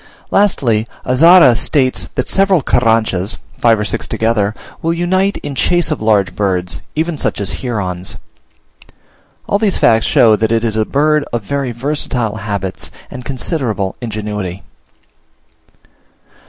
Lastly, Azara states that several Carranchas, five or six together, will unite in chase of large birds, even such as herons. All these facts show that it is a bird of very versatile habits and considerable ingenuity.